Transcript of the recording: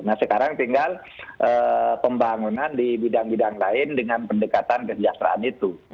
nah sekarang tinggal pembangunan di bidang bidang lain dengan pendekatan kesejahteraan itu